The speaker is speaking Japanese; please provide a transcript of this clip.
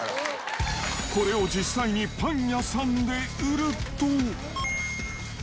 これを実際にパン屋さんで売ると。